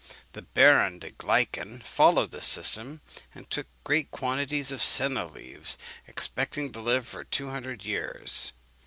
The Baron de Gleichen followed this system, and took great quantities of senna leaves, expecting to live for two hundred years.